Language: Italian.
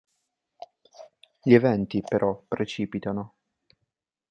Gli eventi però precipitano.